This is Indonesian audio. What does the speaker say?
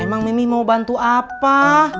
emang mimi mau bantu apa